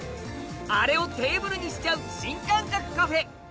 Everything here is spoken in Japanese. あれをテーブルにしちゃう新感覚カフェ